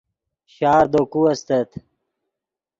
شار دے کو استت